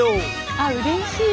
あっうれしい。